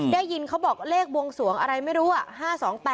ได้ยินเขาบอกเลขบวงสวงอะไรไม่รู้อ่ะ